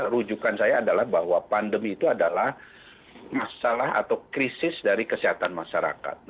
rujukan saya adalah bahwa pandemi itu adalah masalah atau krisis dari kesehatan masyarakat